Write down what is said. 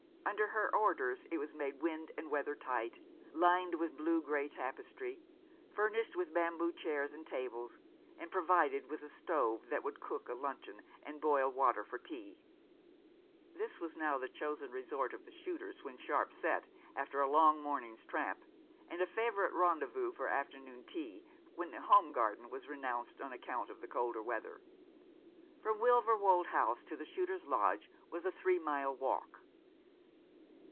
Under her orders it was made wind and weather tight, lined with blue grey tapestry, furnished with bamboo chairs and tables, and provided with a stove that would cook a luncheon and boil water for tea. This was now 328 The American Remembers the chosen resort of the shooters when sharp set after a long morning's tramp, and a favourite rendezvous for afternoon tea, when the home garden was renounced on account of the colder weather. From Wilverwold House to the shooters' lodge was a three mile walk.